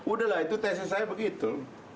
udah lah itu tesis saya begitu